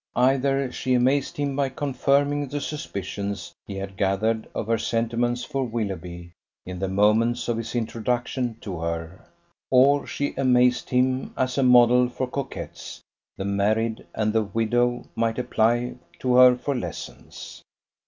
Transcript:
Either she amazed him by confirming the suspicions he had gathered of her sentiments for Willoughby in the moments of his introduction to her; or she amazed him as a model for coquettes the married and the widow might apply to her for lessons.